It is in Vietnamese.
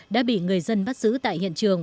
đã bị người dân bắt giữ tại hiện trường